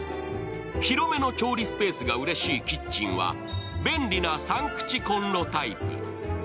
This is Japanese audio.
広めの調理スペースがうれしいキッチンは便利な３口コンロタイプ。